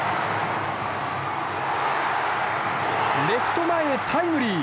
レフト前へタイムリー。